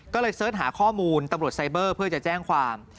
ก็เลยเสิร์ชหาข้อมูลตำรวจไซเบอร์เพื่อจะแจ้งความ